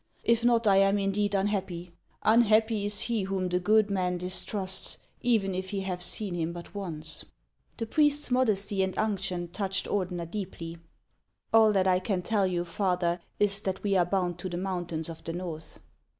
If not, I am indeed unhappy ! Unhappy is he whom the good man distrusts, even if he have seen him but once !" The priest's modesty and unction touched Ordener deeply. HANS OF ICELAND. 181 " All that I can tell you, Father, is that we are bound to the mountains of the North."